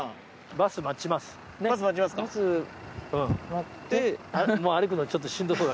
バス待って。